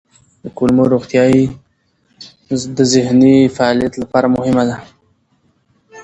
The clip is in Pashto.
د کولمو روغتیا د ذهني فعالیت لپاره مهمه ده.